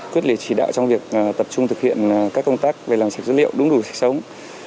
quyết liệt chỉ đạo trong việc tập trung thực hiện các công tác về làm sạch dữ liệu đúng đủ sạch sống